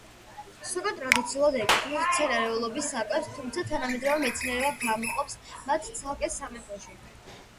სოკო ტრადიციულად ეკუთვნის მცენარეულობის საკვებს, თუმცა თანამედროვე მეცნიერება გამოყოფს მათ ცალკე სამეფოში.